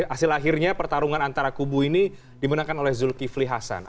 hasil akhirnya pertarungan antara kubu ini dimenangkan oleh zulkifli hasan